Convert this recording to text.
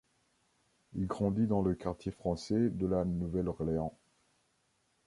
Il grandit dans le Quartier Français de La Nouvelle-Orléans.